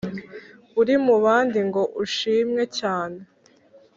uri mu bandi ngo ushimwe cyane